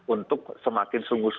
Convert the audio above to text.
untuk semakin sungguh sukses